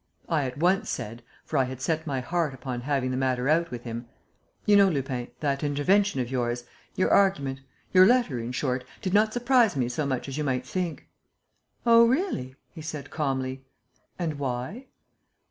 I at once said, for I had set my heart upon having the matter out with him: "You know, Lupin, that intervention of yours, your argument, your letter, in short, did not surprise me so much as you might think!" "Oh, really?" he said, calmly. "And why?"